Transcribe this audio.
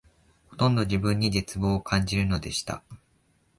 ほとんど自分に絶望を感じるのでした